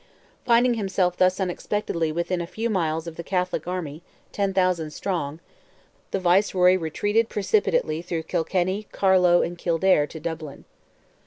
Finding himself thus unexpectedly within a few miles of "the Catholic Army," 10,000 strong, the Viceroy retreated precipitately through Kilkenny, Carlow, and Kildare, to Dublin.